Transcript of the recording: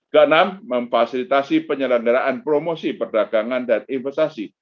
keenam memfasilitasi penyelenggaraan promosi perdagangan dan investasi